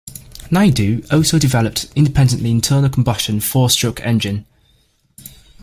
Naidu also developed independently internal combustion four stroke engine.